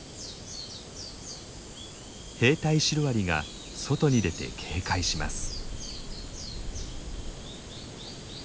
兵隊シロアリが外に出て警戒します。